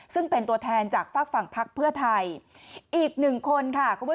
ซึ่งเป็นตัวแทนจากฝากฝั่งพักเพื่อไทยอีกหนึ่งคนค่ะคุณผู้ชม